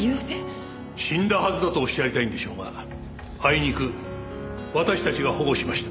死んだはずだとおっしゃりたいんでしょうがあいにく私たちが保護しました。